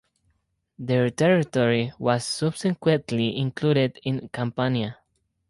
Their territory was subsequently included in Campania.